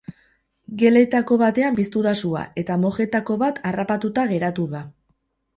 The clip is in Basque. Geletako batean piztu da sua, eta mojetako bat harrapatuta geratu da.